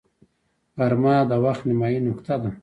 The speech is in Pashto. غرمه د وخت نیمايي نقطه ده